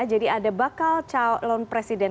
jadi ada bakal calon presiden